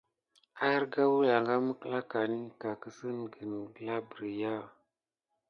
Arga wəlanga mekklakan ka kəssengen gla berya an moka.